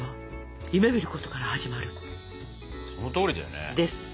そのとおりだよね。です。